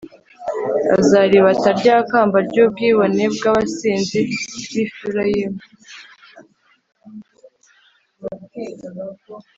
Azaribata rya kamba ry’ubwibone bw’abasinzi b’i Efurayimu,